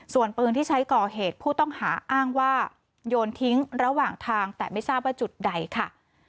ส่วนปืนที่ใช้ก่อเหตุผู้ต้องหาอ้างว่าโยนทิ้งระหว่างทางแต่ไม่ทราบว่าจุดใดค่ะ